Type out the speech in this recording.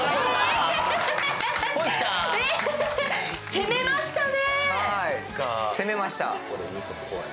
攻めましたね。